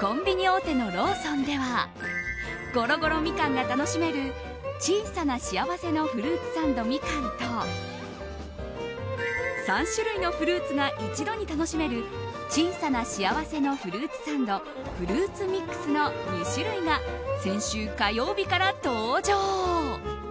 コンビニ大手のローソンではごろごろみかんが楽しめる小さな幸せのフルーツサンドみかんと３種類のフルーツが一度に楽しめる小さな幸せのフルーツサンドフルーツミックスの２種類が先週火曜日から登場。